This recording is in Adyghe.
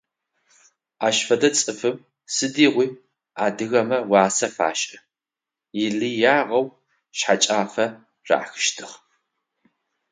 Ащ фэдэ цӀыфым сыдигъуи адыгэмэ уасэ фашӀы, илыягъэу шъхьэкӀафэ рахыщтыгь.